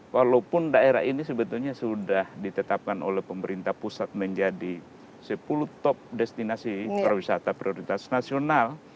walaupun daerah ini sebetulnya sudah ditetapkan oleh pemerintah pusat menjadi sepuluh top destinasi pariwisata prioritas nasional